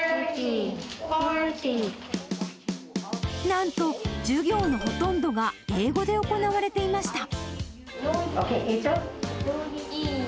なんと授業のほとんどが英語で行われていました。